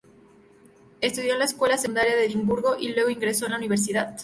Estudió en la escuela secundaria de Edimburgo, y luego ingresó en la universidad.